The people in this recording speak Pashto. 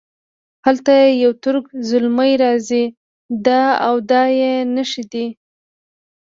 هلته یو ترک زلمی راځي دا او دا یې نښې دي.